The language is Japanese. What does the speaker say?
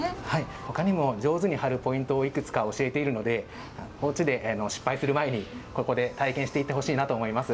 ほかにも、上手に貼るポイントをいくつか教えているので、おうちで失敗する前に、ここで体験していってほしいなと思います。